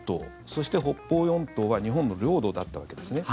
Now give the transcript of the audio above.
そして北方四島は日本の領土だったわけですね。